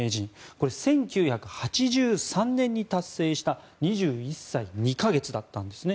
これは１９８３年に達成した２１歳２か月だったんですね。